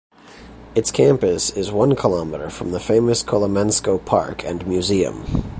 Its campus is one kilometre from the famous Kolomenskoe park and museum.